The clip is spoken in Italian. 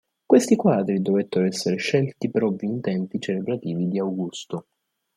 Questi quadri dovettero essere scelti per ovvi intenti celebrativi di Augusto.